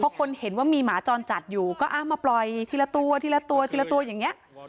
เพราะคนเห็นว่ามีหมาจรจัดอยู่ก็เอามาปล่อยทีละตัวทีละตัวทีละตัวอย่างนี้